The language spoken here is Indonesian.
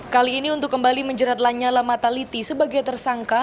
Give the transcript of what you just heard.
kali ini untuk kembali menjerat lanyala mataliti sebagai tersangka